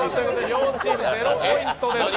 両チーム、０ポイントです。